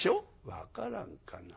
「分からんかな。